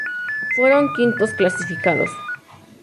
Fueron quintos clasificados.